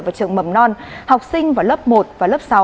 vào trường mầm non học sinh vào lớp một và lớp sáu